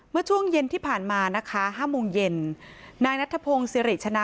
เมื่อช่วงเย็นที่ผ่านมานะคะห้าโมงเย็นนายนัทพงศ์สิริชนะ